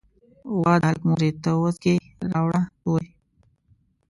"وه د هلک مورې ته وڅکي راوړه توري".